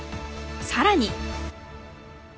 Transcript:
更に。